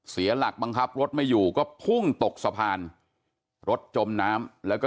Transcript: เสียหลักบังคับรถไม่อยู่ก็พุ่งตกสะพานรถจมน้ำแล้วก็